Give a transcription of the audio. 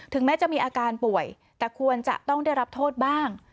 แม้จะมีอาการป่วยแต่ควรจะต้องได้รับโทษบ้าง